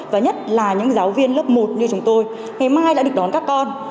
và nhất là những giáo viên lớp một như chúng tôi ngày mai đã được đón các con